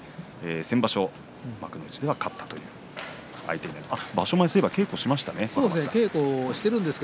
先場所幕内では勝ったという相手です。